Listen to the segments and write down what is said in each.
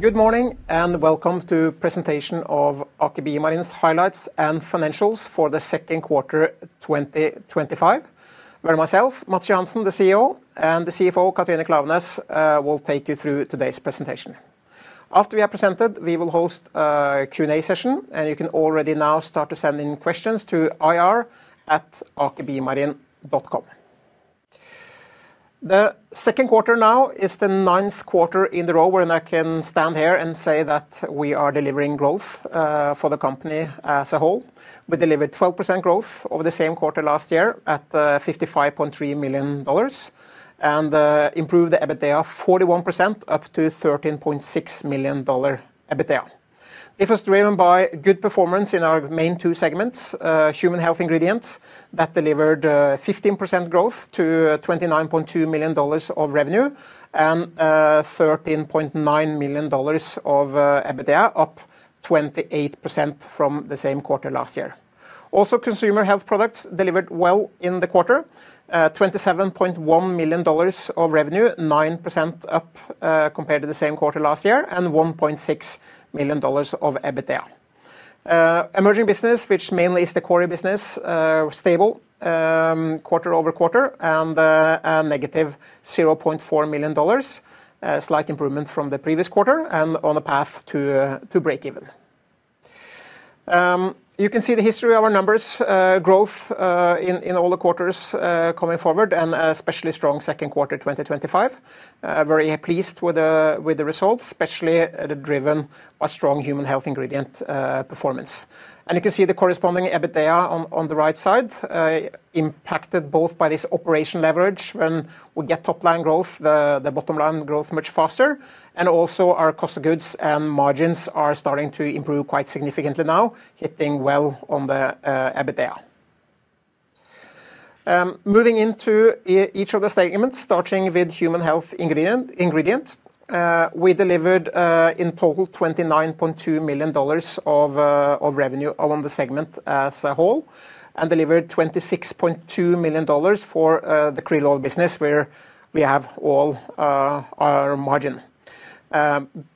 Good morning and welcome to the presentation of Aker BioMarine's highlights and financials for the second quarter 2025. I'm myself, Matts Johansen, the CEO, and the CFO, Katrine Klaveness, will take you through today's presentation. After we have presented, we will host a Q&A session, and you can already now start to send in questions to ir@akerbiomarine.com. The second quarter now is the ninth quarter in a row, and I can stand here and say that we are delivering growth for the company as a whole. We delivered 12% growth over the same quarter last year at $55.3 million and improved the EBITDA of 41% up to $13.6 million EBITDA. It was driven by good performance in our main two segments, human health ingredients, that delivered 15% growth to $29.2 million of revenue and $13.9 million of EBITDA, up 28% from the same quarter last year. Also, consumer health products delivered well in the quarter, $27.1 million of revenue, 9% up compared to the same quarter last year, and $1.6 million of EBITDA. Emerging business, which mainly is the core business, stable quarter over quarter and a negative $0.4 million, a slight improvement from the previous quarter and on a path to break even. You can see the history of our numbers, growth in all the quarters coming forward, and especially strong second quarter 2025. Very pleased with the results, especially driven by strong human health ingredient performance. You can see the corresponding EBITDA on the right side, impacted both by this operation leverage when we get top line growth, the bottom line growth much faster, and also our cost of goods and margins are starting to improve quite significantly now, hitting well on the EBITDA. Moving into each of the segments, starting with human health ingredient, we delivered in total $29.2 million of revenue along the segment as a whole and delivered $26.2 million for the krill oil business where we have all our margin.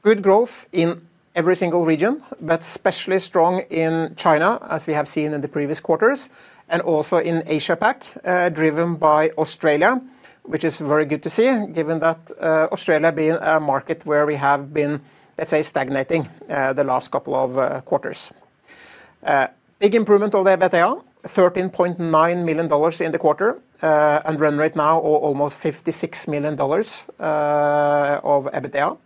Good growth in every single region, but especially strong in China, as we have seen in the previous quarters, and also in Asia-PAC, driven by Australia, which is very good to see, given that Australia being a market where we have been, let's say, stagnating the last couple of quarters. Big improvement on the EBITDA. $13.9 million in the quarter and run rate now almost $56 million of EBITDA.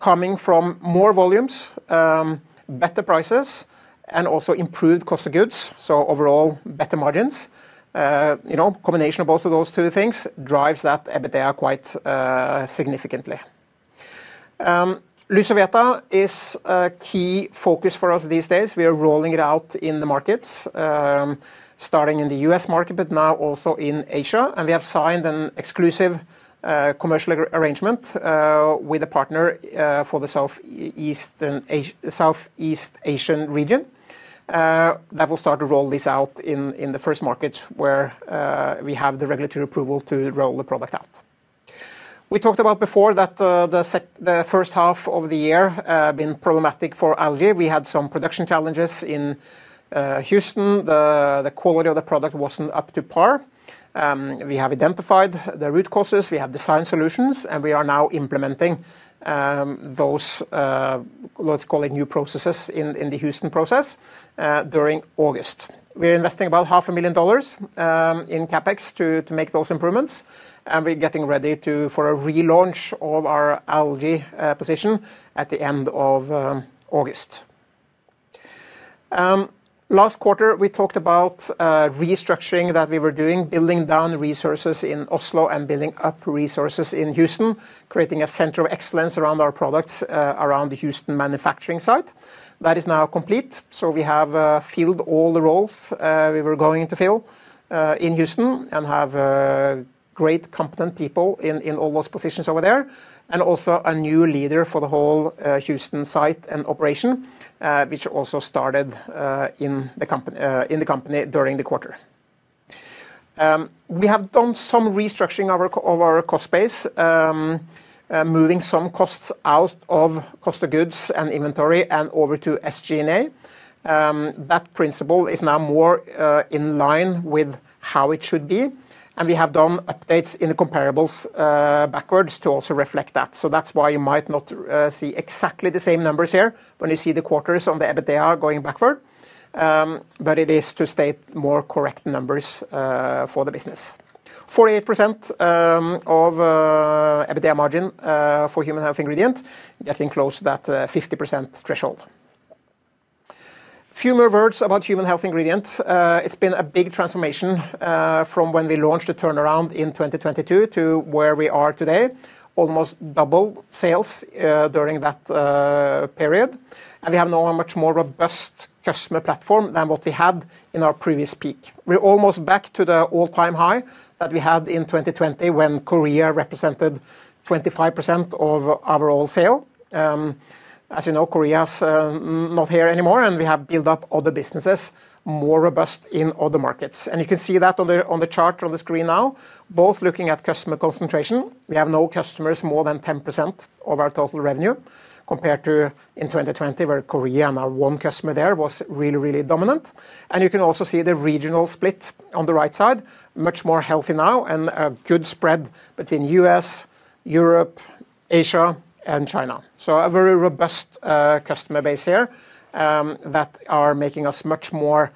Coming from more volumes, better prices, and also improved cost of goods, so overall better margins. A combination of both of those two things drives that EBITDA quite significantly. Lysoveta is a key focus for us these days. We are rolling it out in the markets, starting in the U.S. market, but now also in Asia, and we have signed an exclusive commercial arrangement with a partner for the Southeast Asia region that will start to roll this out in the first markets where we have the regulatory approval to roll the product out. We talked about before that the first half of the year has been problematic for algae. We had some production challenges in Houston. The quality of the product wasn't up to par. We have identified the root causes. We have designed solutions, and we are now implementing those, let's call it new processes in the Houston process during August. We are investing about $0.5 million in CapEx to make those improvements, and we're getting ready for a relaunch of our algae position at the end of August. Last quarter, we talked about restructuring that we were doing, building down resources in Oslo and building up resources in Houston, creating a center of excellence around our products around the Houston manufacturing site. That is now complete, so we have filled all the roles we were going to fill in Houston and have great competent people in all those positions over there, and also a new leader for the whole Houston site and operation, which also started in the company during the quarter. We have done some restructuring of our cost base, moving some costs out of cost of goods and inventory and over to SG&A. That principle is now more in line with how it should be, and we have done updates in the comparables backwards to also reflect that. That's why you might not see exactly the same numbers here when you see the quarters on the EBITDA going backward, but it is to state more correct numbers for the business. 48% of EBITDA margin for human health ingredients, getting close to that 50% threshold. Few more words about human health ingredients. It's been a big transformation from when we launched the turnaround in 2022 to where we are today, almost double sales during that period, and we have now a much more robust customer platform than what we had in our previous peak. We're almost back to the all-time high that we had in 2020 when Korea represented 25% of overall sale. As you know, Korea's not here anymore, and we have built up other businesses more robust in other markets. You can see that on the chart on the screen now, both looking at customer concentration. We have no customers more than 10% of our total revenue compared to in 2020, where Korea and our one customer there was really, really dominant. You can also see the regional split on the right side, much more healthy now and a good spread between U.S., Europe, Asia, and China. A very robust customer base here is making us much more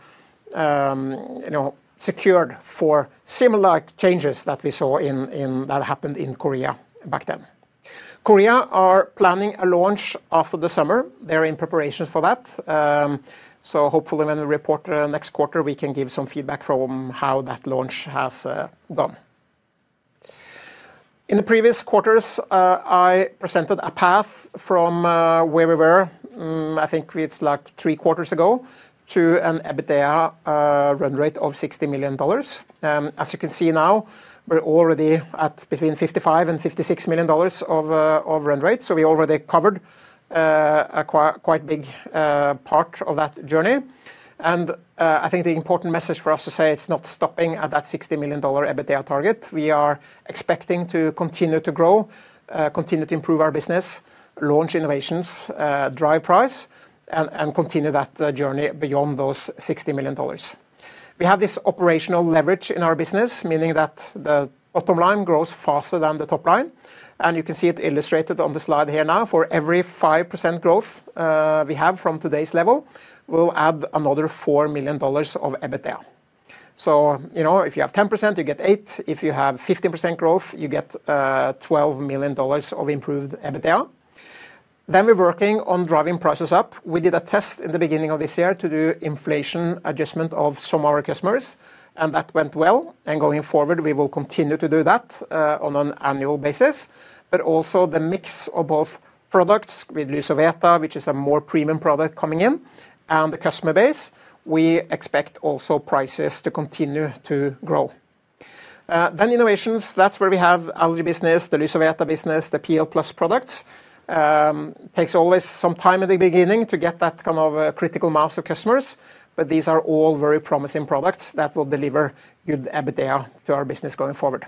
secured for similar changes that we saw that happened in Korea back then. Korea is planning a launch after the summer. They're in preparations for that. Hopefully, when we report next quarter, we can give some feedback from how that launch has gone. In the previous quarters, I presented a path from where we were, I think it's like three quarters ago, to an EBITDA run rate of $60 million. As you can see now, we're already at between $55 million and $56 million of run rate, so we already covered a quite big part of that journey. I think the important message for us to say is not stopping at that $60 million EBITDA target. We are expecting to continue to grow, continue to improve our business, launch innovations, drive price, and continue that journey beyond those $60 million. We have this operational leverage in our business, meaning that the bottom line grows faster than the top line. You can see it illustrated on the slide here now. For every 5% growth we have from today's level, we'll add another $4 million of EBITDA. If you have 10%, you get $8 million. If you have 15% growth, you get $12 million of improved EBITDA. We're working on driving prices up. We did a test in the beginning of this year to do inflation adjustment of some of our customers, and that went well. Going forward, we will continue to do that on an annual basis. Also, the mix of both products with Lysoveta, which is a more premium product coming in, and the customer base, we expect also prices to continue to grow. Innovations, that's where we have algae business, the Lysoveta business, the PL+ products. It takes always some time at the beginning to get that kind of critical mass of customers, but these are all very promising products that will deliver good EBITDA to our business going forward.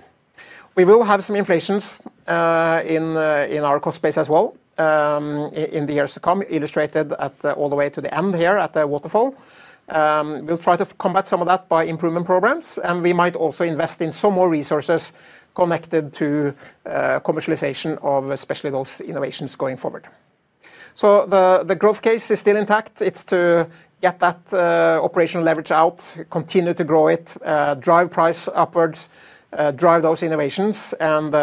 We will have some inflation in our cost base as well in the years to come, illustrated all the way to the end here at the waterfall. We'll try to combat some of that by improvement programs, and we might also invest in some more resources connected to commercialization of especially those innovations going forward. The growth case is still intact. It's to get that operational leverage out, continue to grow it, drive price upwards, drive those innovations, and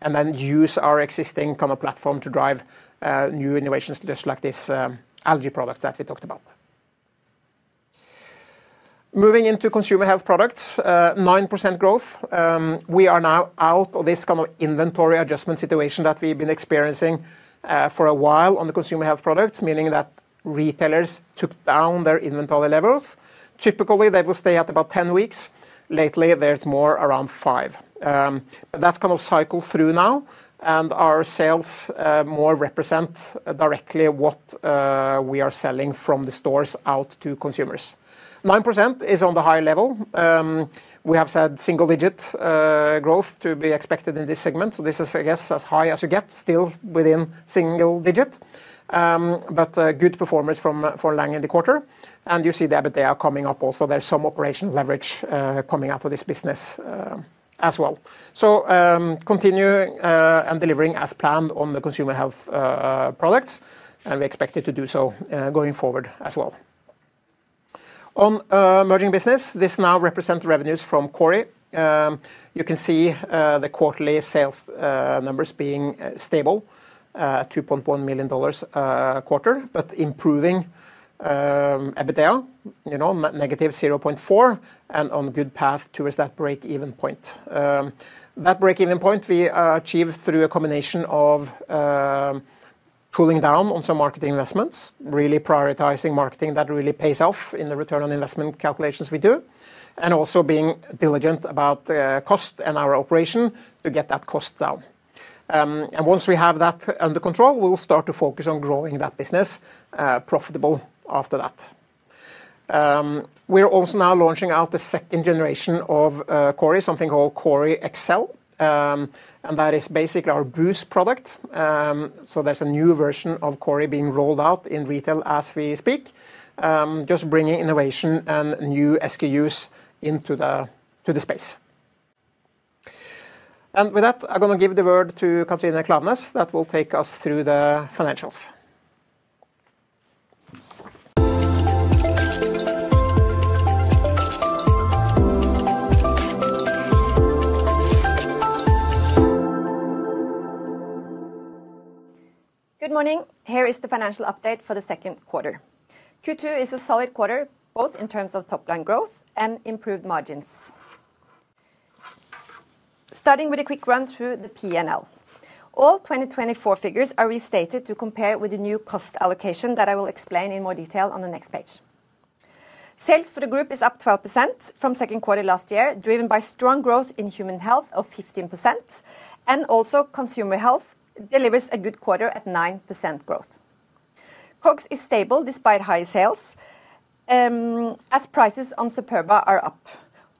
then use our existing kind of platform to drive new innovations just like this algae product that we talked about. Moving into consumer health products, 9% growth. We are now out of this kind of inventory adjustment situation that we've been experiencing for a while on the consumer health products, meaning that retailers took down their inventory levels. Typically, they will stay at about 10 weeks. Lately, there's more around five. That's kind of cycled through now, and our sales more represent directly what we are selling from the stores out to consumers. 9% is on the high level. We have said single-digit growth to be expected in this segment. This is, I guess, as high as you get, still within single digit, but good performers for the quarter. You see the EBITDA coming up also. There's some operational leverage coming out of this business as well. Continue delivering as planned on the consumer health products, and we expect it to do so going forward as well. On emerging business, this now represents revenues from quarter. You can see the quarterly sales numbers being stable at $2.1 million a quarter, but improving EBITDA, -0.4% and on a good path towards that break-even point. That break-even point we achieved through a combination of pulling down on some marketing investments, really prioritizing marketing that really pays off in the return on investment calculations we do, and also being diligent about cost and our operation to get that cost down. Once we have that under control, we'll start to focus on growing that business profitable after that. We're also now launching out the second generation of quarter, something called Quarter XL, and that is basically our boost product. There's a new version of Quarter being rolled out in retail as we speak, just bringing innovation and new SKUs into the space. With that, I'm going to give the word to Katrine Klaveness that will take us through the financials. Good morning. Here is the financial update for the second quarter. Q2 is a solid quarter, both in terms of top-line growth and improved margins. Starting with a quick run through the P&L. All 2024 figures are restated to compare with the new cost allocation that I will explain in more detail on the next page. Sales for the group is up 12% from second quarter last year, driven by strong growth in human health of 15%, and also consumer health delivers a good quarter at 9% growth. COGS is stable despite high sales as prices on Superba are up.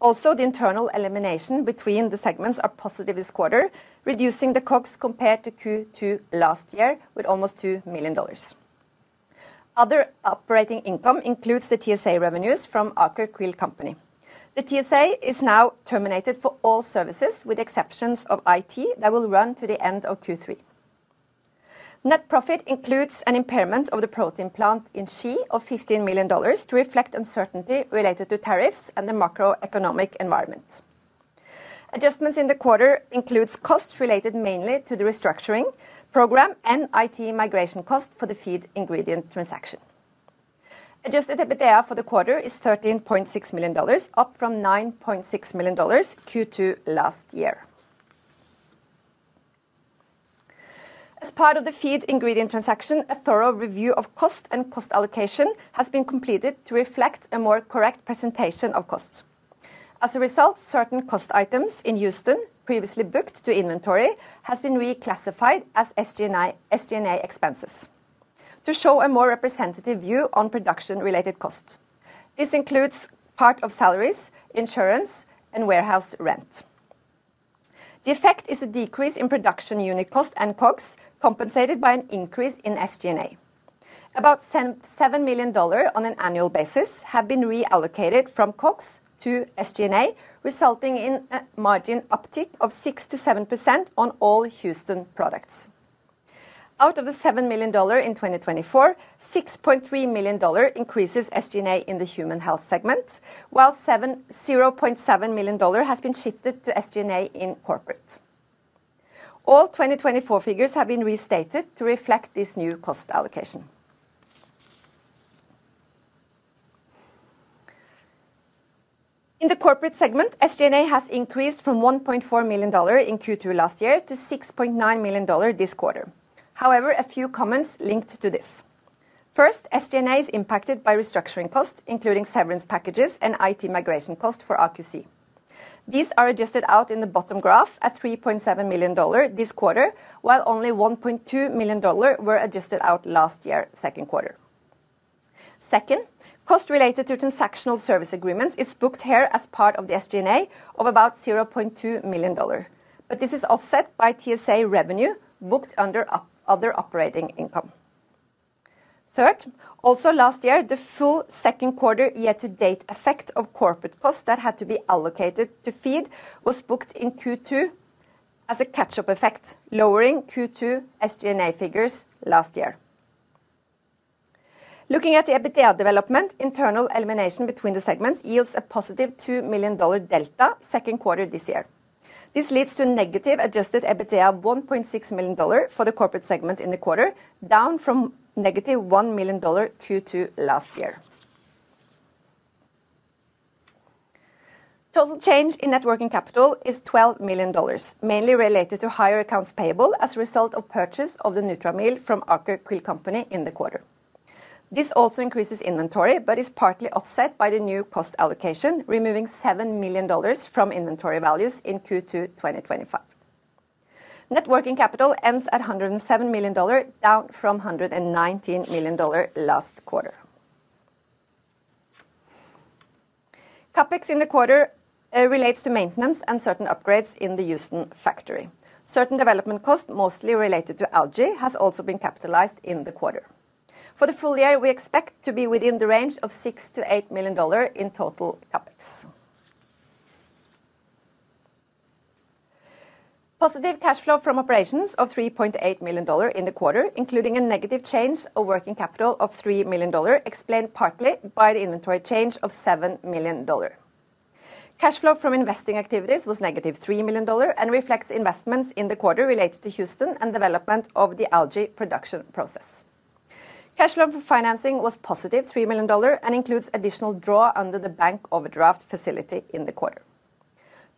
Also, the internal elimination between the segments are positive this quarter, reducing the COGS compared to Q2 last year with almost $2 million. Other operating income includes the TSA revenues from Aker QRILL Company. The TSA is now terminated for all services with the exceptions of IT that will run to the end of Q3. Net profit includes an impairment of the protein plant in Xi of $15 million to reflect uncertainty related to tariffs and the macroeconomic environment. Adjustments in the quarter include costs related mainly to the restructuring program and IT migration costs for the feed ingredient transaction. Adjusted EBITDA for the quarter is $13.6 million, up from $9.6 million Q2 last year. As part of the feed ingredient transaction, a thorough review of cost and cost allocation has been completed to reflect a more correct presentation of costs. As a result, certain cost items in Houston previously booked to inventory have been reclassified as SG&A expenses to show a more representative view on production-related costs. This includes part of salaries, insurance, and warehouse rent. The effect is a decrease in production unit cost and costs compensated by an increase in SG&A. About $7 million on an annual basis have been reallocated from costs to SG&A, resulting in a margin uptick of 6%-7% on all Houston products. Out of the $7 million in 2024, $6.3 million increases SG&A in the human health segment, while $0.7 million has been shifted to SG&A in corporate. All 2024 figures have been restated to reflect this new cost allocation. In the corporate segment, SG&A has increased from $1.4 million in Q2 last year to $6.9 million this quarter. However, a few comments linked to this. First, SG&A is impacted by restructuring costs, including severance packages and IT migration costs for Aker Krill. These are adjusted out in the bottom graph at $3.7 million this quarter, while only $1.2 million were adjusted out last year's second quarter. Second, cost related to transactional service agreements is booked here as part of the SG&A of about $0.2 million, but this is offset by TSA revenue booked under other operating income. Third, also last year, the full second quarter year-to-date effect of corporate costs that had to be allocated to feed was booked in Q2 as a catch-up effect, lowering Q2 SG&A figures last year. Looking at the EBITDA development, internal elimination between the segments yields a positive $2 million delta second quarter this year. This leads to a negative adjusted EBITDA of $1.6 million for the corporate segment in the quarter, down from -$1 million Q2 last year. Total change in net working capital is $12 million, mainly related to higher accounts payable as a result of purchase of the Nutra meal from Aker QRILL Company in the quarter. This also increases inventory, but is partly offset by the new cost allocation, removing $7 million from inventory values in Q2 2025. Net working capital ends at $107 million, down from $119 million last quarter. CapEx in the quarter relates to maintenance and certain upgrades in the Houston factory. Certain development costs, mostly related to algae, have also been capitalized in the quarter. For the full year, we expect to be within the range of $6 million-$8 million in total CapEx. Positive cash flow from operations of $3.8 million in the quarter, including a negative change of working capital of $3 million, explained partly by the inventory change of $7 million. Cash flow from investing activities was negative $3 million and reflects investments in the quarter related to Houston and development of the algae production process. Cash flow from financing was positive $3 million and includes additional draw under the bank overdraft facility in the quarter.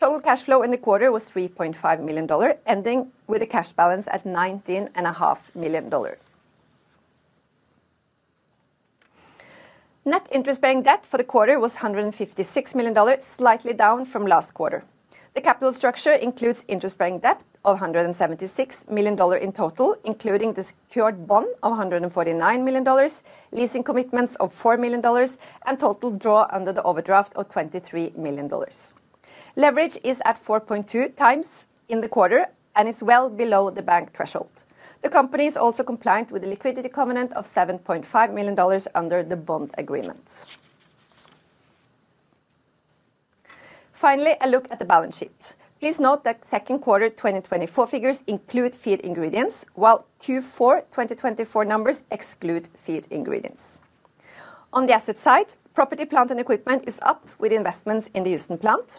Total cash flow in the quarter was $3.5 million, ending with a cash balance at $19.5 million. Net interest-bearing debt for the quarter was $156 million, slightly down from last quarter. The capital structure includes interest-bearing debt of $176 million in total, including the secured bond of $149 million, leasing commitments of $4 million, and total draw under the overdraft of $23 million. Leverage is at 4.2x in the quarter and is well below the bank threshold. The company is also compliant with the liquidity covenant of $7.5 million under the bond agreements. Finally, a look at the balance sheet. Please note that second quarter 2024 figures include feed ingredients, while Q4 2024 numbers exclude feed ingredients. On the asset side, property, plant, and equipment is up with investments in the Houston plant.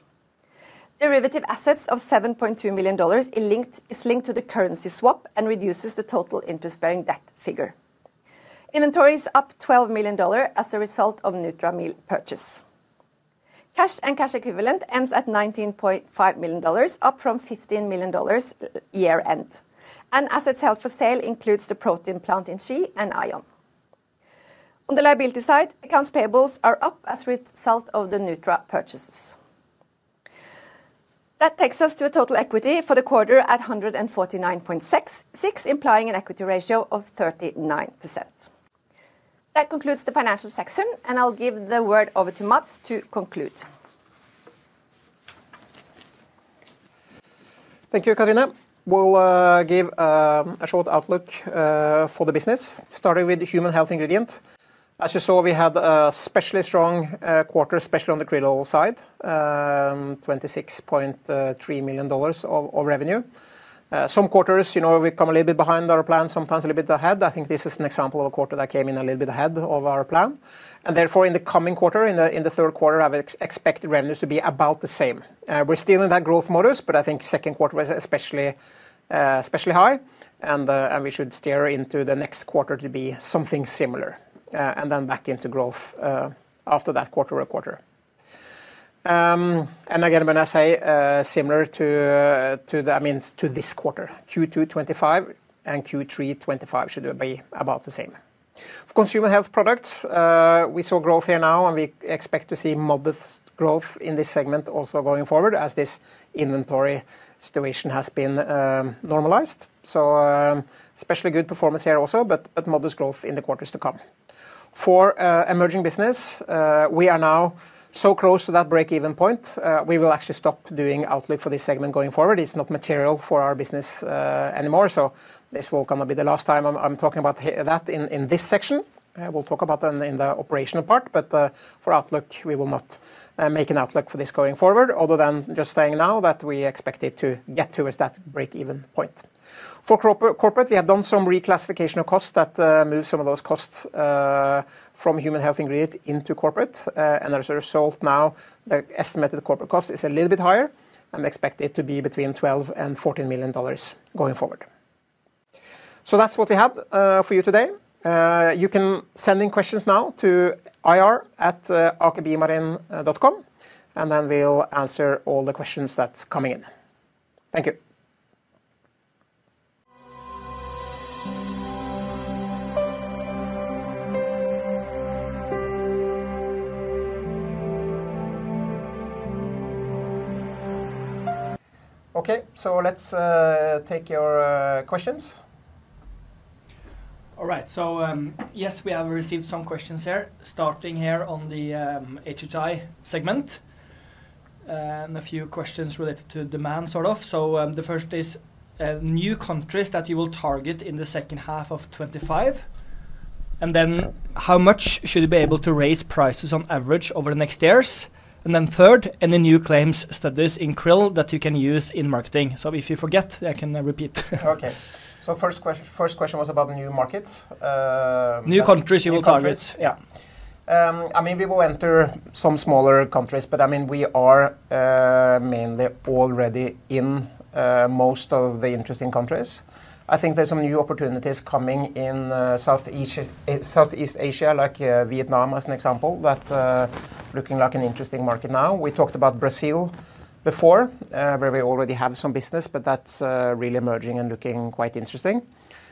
Derivative assets of $7.2 million are linked to the currency swap and reduce the total interest-bearing debt figure. Inventory is up $12 million as a result of Nutra Meal purchase. Cash and cash equivalent ends at $19.5 million, up from $15 million year-end. Assets held for sale include the protein plant in Xi and Ion. On the liability side, accounts payables are up as a result of the Nutra purchases. That takes us to a total equity for the quarter at $149.6 million, implying an equity ratio of 39%. That concludes the financial section, and I'll give the word over to Matt to conclude. Thank you, Katrine. We'll give a short outlook for the business, starting with the human health ingredient. As you saw, we had an especially strong quarter, especially on the krill oil side, $26.3 million of revenue. Some quarters, you know, we come a little bit behind our plan, sometimes a little bit ahead. I think this is an example of a quarter that came in a little bit ahead of our plan. Therefore, in the coming quarter, in the third quarter, I would expect revenues to be about the same. We're still in that growth modus, but I think second quarter was especially high, and we should steer into the next quarter to be something similar, and then back into growth after that quarter or quarter. Again, when I say similar to the, I mean to this quarter, Q2 2025 and Q3 2025 should be about the same. For consumer health products, we saw growth here now, and we expect to see modest growth in this segment also going forward as this inventory situation has been normalized. Especially good performance here also, but modest growth in the quarters to come. For emerging business, we are now so close to that break-even point, we will actually stop doing outlook for this segment going forward. It's not material for our business anymore. This will kind of be the last time I'm talking about that in this section. We'll talk about it in the operational part, but for outlook, we will not make an outlook for this going forward, other than just saying now that we expect it to get towards that break-even point. For corporate, we have done some reclassification of costs that move some of those costs from human health ingredients into corporate, and as a result now, the estimated corporate cost is a little bit higher and expected to be between $12 million and $14 million going forward. That's what we had for you today. You can send in questions now to ir@akerbiomarine.com, and then we'll answer all the questions that are coming in. Thank you. Okay, let's take your questions. All right, yes, we have received some questions here, starting here on the A2Tai segment and a few questions related to demand, sort of. The first is new countries that you will target in the second half of 2025, and then how much should you be able to raise prices on average over the next years? Third, any new claims studies in krill that you can use in marketing? If you forget, I can repeat. OK, first question was about new markets. New countries you will target. Yeah. I mean, we will enter some smaller countries, but we are mainly already in most of the interesting countries. I think there's some new opportunities coming in Southeast Asia, like Vietnam, as an example, that's looking like an interesting market now. We talked about Brazil before, where we already have some business, but that's really emerging and looking quite interesting.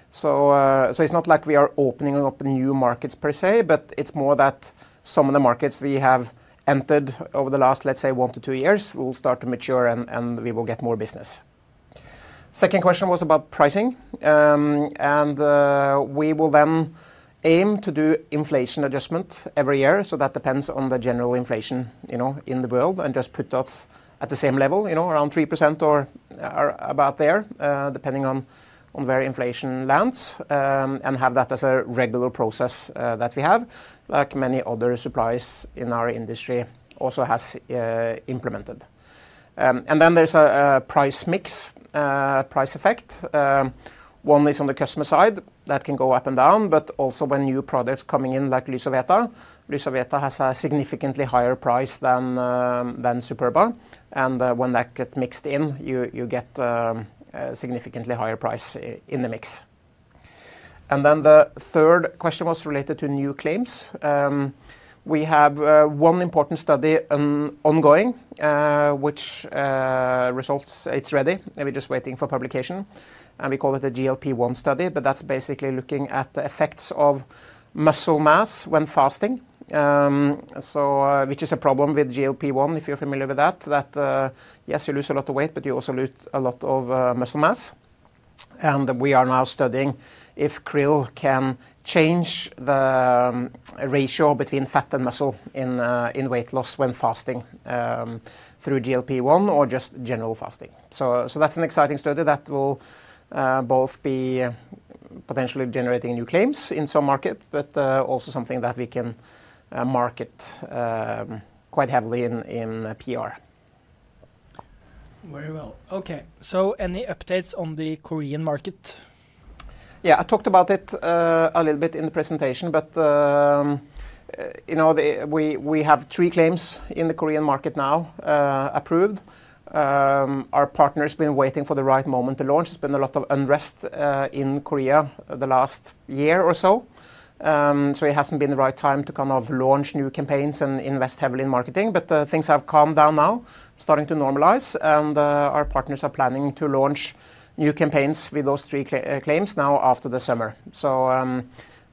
It's not like we are opening up new markets per se, it's more that some of the markets we have entered over the last, let's say, one to two years, will start to mature and we will get more business. Second question was about pricing, and we will then aim to do inflation adjustment every year. That depends on the general inflation in the world and just puts us at the same level, around 3% or about there, depending on where inflation lands, and have that as a regular process that we have, like many other suppliers in our industry also have implemented. There's a price mix, price effect. One is on the customer side that can go up and down, but also when new products are coming in, like Lysoveta. Lysoveta has a significantly higher price than Superba, and when that gets mixed in, you get a significantly higher price in the mix. The third question was related to new claims. We have one important study ongoing, which results are ready. We're just waiting for publication, and we call it the GLP-1 study, but that's basically looking at the effects of muscle mass when fasting, which is a problem with GLP-1, if you're familiar with that, that yes, you lose a lot of weight, but you also lose a lot of muscle mass. We are now studying if krill can change the ratio between fat and muscle in weight loss when fasting through GLP-1 or just general fasting. That's an exciting study that will both be potentially generating new claims in some markets, but also something that we can market quite heavily in PR. Okay, so any updates on the Korean market? I talked about it a little bit in the presentation, but we have three claims in the Korean market now approved. Our partner has been waiting for the right moment to launch. There's been a lot of unrest in Korea the last year or so, so it hasn't been the right time to launch new campaigns and invest heavily in marketing. Things have calmed down now, starting to normalize, and our partners are planning to launch new campaigns with those three claims after the summer.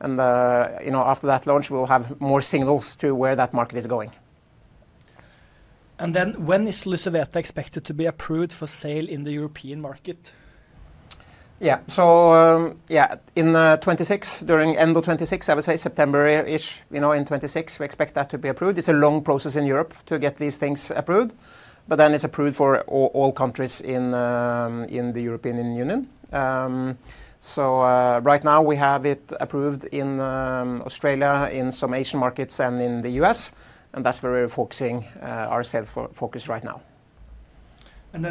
After that launch, we'll have more signals to where that market is going. When is Lysoveta expected to be approved for sale in the European market? In 2026, during the end of 2026, I would say September-ish, in 2026, we expect that to be approved. It's a long process in Europe to get these things approved, but then it's approved for all countries in the European Union. Right now, we have it approved in Australia, in some Asian markets, and in the U.S., and that's where we're focusing our sales focus right now.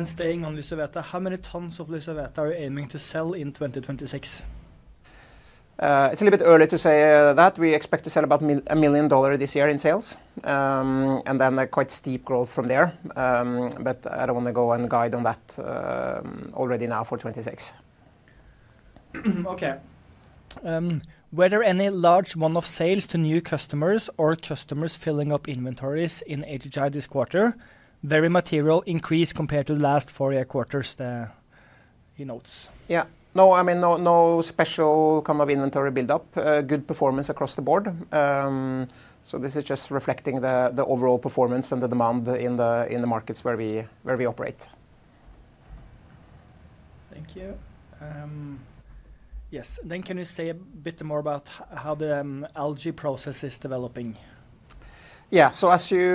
Staying on Lysoveta, how many tons of Lysoveta are you aiming to sell in 2026? It's a little bit early to say that. We expect to sell about $1 million this year in sales, and then quite steep growth from there. I don't want to go and guide on that already now for 2026. Were there any large one-off sales to new customers or customers filling up inventories in Asia-Pacific this quarter? Very material increase compared to the last four quarters he notes? No, I mean, no special kind of inventory buildup. Good performance across the board. This is just reflecting the overall performance and the demand in the markets where we operate. Thank you. Can you say a bit more about how the algae process is developing? As you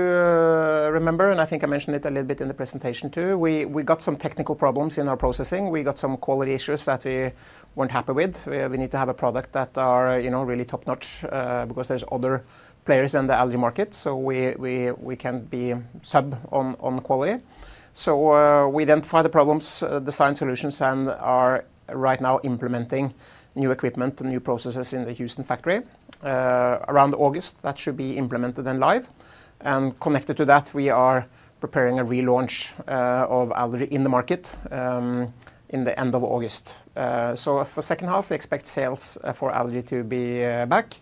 remember, and I think I mentioned it a little bit in the presentation too, we got some technical problems in our processing. We got some quality issues that we weren't happy with. We need to have a product that is really top-notch because there are other players in the algae market, so we can't be sub on quality. We identified the problems, designed solutions, and are right now implementing new equipment and new processes in the Houston factory around August. That should be implemented and live. Connected to that, we are preparing a relaunch of algae in the market at the end of August. For the second half, we expect sales for algae to be back,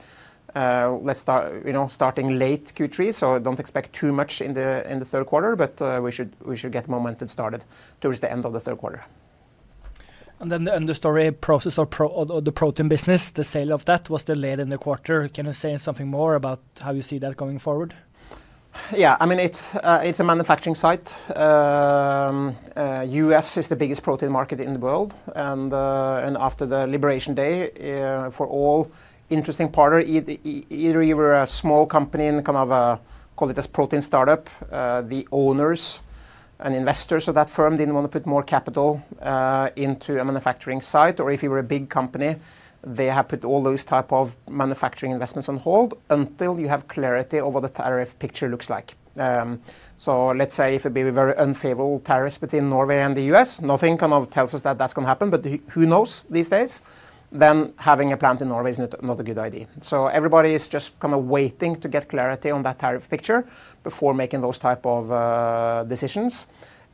starting late Q3, so don't expect too much in the third quarter, but we should get momentum started towards the end of the third quarter. The Understory Protein process, the sale of that was delayed in the quarter. Can you say something more about how you see that going forward? Yeah, I mean, it's a manufacturing site. U.S. is the biggest protein market in the world. After the liberation day, for all interesting partners, either you were a small company in kind of a, call it a protein startup, the owners and investors of that firm didn't want to put more capital into a manufacturing site, or if you were a big company, they have put all those types of manufacturing investments on hold until you have clarity of what the tariff picture looks like. Let's say if it would be very unfavorable tariffs between Norway and the U.S., nothing kind of tells us that that's going to happen, but who knows these days? Having a plant in Norway is not a good idea. Everybody is just kind of waiting to get clarity on that tariff picture before making those types of decisions.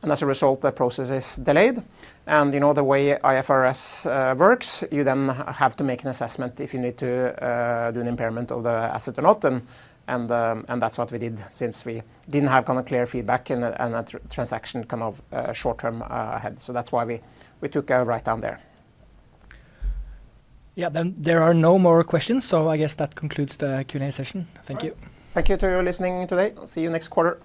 As a result, the process is delayed. You know the way IFRS works, you then have to make an assessment if you need to do an impairment of the asset or not. That's what we did since we didn't have kind of clear feedback in a transaction kind of short term ahead. That's why we took a write down there. There are no more questions, so I guess that concludes the Q&A session. Thank you. Thank you to your listening today. See you next quarter.